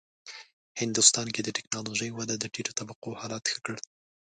هندوستان کې د ټېکنالوژۍ وده د ټیټو طبقو حالت ښه کړ.